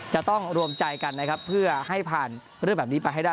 จะต้องรวมใจกันนะครับเพื่อให้ผ่านเรื่องแบบนี้ไปให้ได้